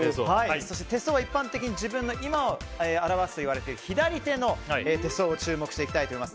そして、手相は一般的に自分の今を表すといわれている左手の手相を注目していきたいと思います。